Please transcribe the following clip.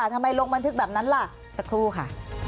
ลงบันทึกแบบนั้นล่ะสักครู่ค่ะ